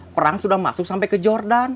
perang sudah masuk sampai ke jordan